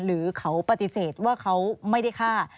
หรือเขาปฏิเสธว่าเขาไม่ได้ฆ่า